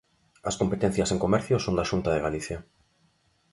As competencias en comercio son da Xunta de Galicia.